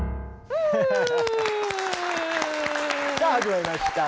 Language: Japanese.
さあ始まりました。